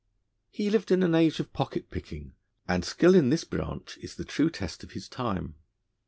He lived in an age of pocket picking, and skill in this branch is the true test of his time.